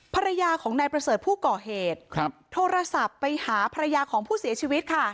ภรรยาของนายประเสริฐผู้ก่อเหตุโทรศัพท์ไปหาภรรยาของผู้เสียชีวิตค่ะ